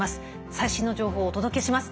最新の情報をお届けします。